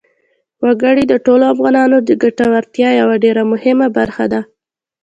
وګړي د ټولو افغانانو د ګټورتیا یوه ډېره مهمه برخه ده.